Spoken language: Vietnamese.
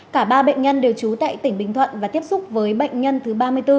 cả ba bệnh nhân đều trú tại tỉnh bình thuận và tiếp xúc với bệnh nhân thứ ba mươi bốn